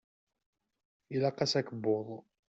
Ilaq-as akebbuḍ.